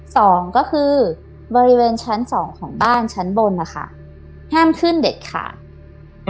สองก็คือบริเวณชั้นสองของบ้านชั้นบนนะคะห้ามขึ้นเด็ดขาด